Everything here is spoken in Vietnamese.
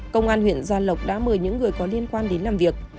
công an huyện gia lộc đã mời những người có liên quan đến làm việc